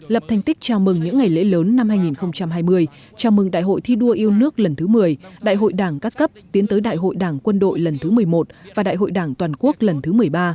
lập thành tích chào mừng những ngày lễ lớn năm hai nghìn hai mươi chào mừng đại hội thi đua yêu nước lần thứ một mươi đại hội đảng các cấp tiến tới đại hội đảng quân đội lần thứ một mươi một và đại hội đảng toàn quốc lần thứ một mươi ba